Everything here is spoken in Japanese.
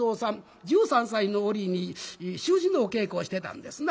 １３歳の折に習字のお稽古をしてたんですな。